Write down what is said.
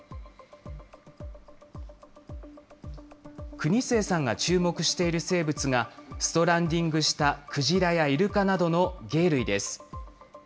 国末さんが注目している生物が、ストランディングしたクジラやイルカなどの鯨類です。